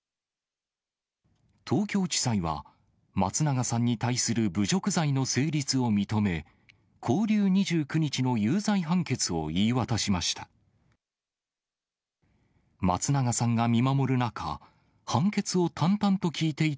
東京地裁は、松永さんに対する侮辱罪の成立を認め、拘留２９日の有罪判決を言い渡しました。